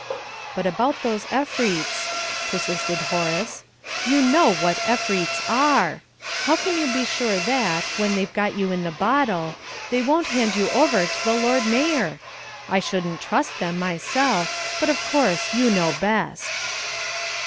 "But about those Efreets," persisted Horace. "You know what Efreets are! How can you be sure that, when they've got you in the bottle, they won't hand you over to the Lord Mayor? I shouldn't trust them myself but, of course, you know best!"